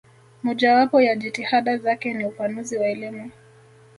Mojawapo ya jitihada zake ni upanuzi wa elimu